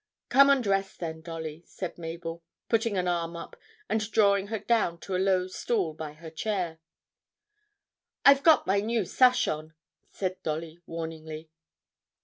'Come and rest then, Dolly,' said Mabel, putting an arm up and drawing her down to a low stool by her chair. 'I've got my new sash on,' said Dolly warningly.